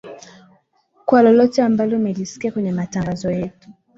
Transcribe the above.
kwa lolote ambalo umelisikia kwenye matangazo yetu